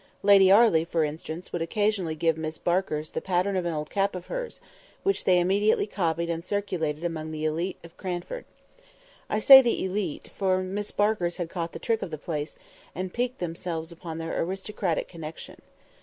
Lady Arley, for instance, would occasionally give Miss Barkers the pattern of an old cap of hers, which they immediately copied and circulated among the élite of Cranford. I say the élite, for Miss Barkers had caught the trick of the place, and piqued themselves upon their "aristocratic connection."